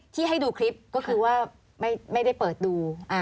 ที่ให้ดูคลิปก็คือว่าไม่ได้เปิดดู